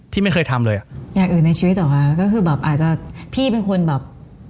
ที่ไม่เคยทำเลยอ่ะอย่างอื่นในชีวิตเหรอคะก็คือแบบอาจจะพี่เป็นคนแบบ